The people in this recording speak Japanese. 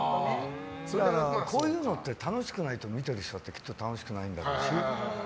こういうのって楽しくないと見てる人だって楽しくないんだろうし。